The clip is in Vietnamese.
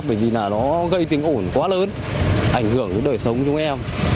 bởi vì nó gây tiếng ổn quá lớn ảnh hưởng đến đời sống của chúng em